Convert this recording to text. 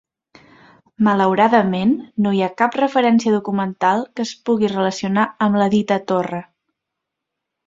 Malauradament, no hi ha cap referència documental que es pugui relacionar amb la dita torre.